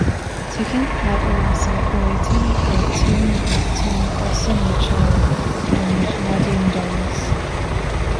Taking part alongside Oaten were Tim Loughton, Austin Mitchell and Nadine Dorries.